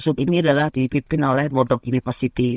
koneksi ini juga dipimpin oleh world rock university